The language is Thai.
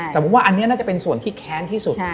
แต่ผมว่าอันนี้น่าจะเป็นส่วนที่แค้นที่สุด